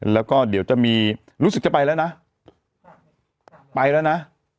แล้วก็เดี๋ยวจะมีรู้สึกจะไปแล้วนะไปแล้วนะ